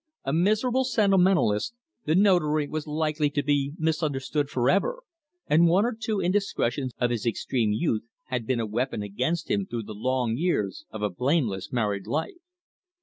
A miserable sentimentalist, the Notary was likely to be misunderstood for ever, and one or two indiscretions of his extreme youth had been a weapon against him through the long years of a blameless married life.